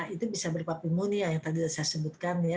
itu bisa berupa pneumonia yang tadi saya sebutkan ya